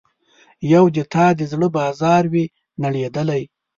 یو د تا د زړه بازار وي نړیدلی